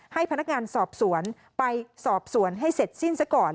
ให้พนักงานสอบสวนไปสอบสวนให้เสร็จสิ้นซะก่อน